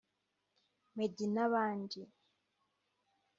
Meddy n’abandi